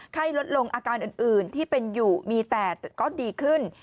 ลดลงอาการอื่นที่เป็นอยู่มีแต่ก็ดีขึ้น